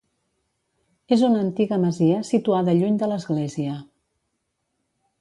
És una antiga masia situada lluny de l'església.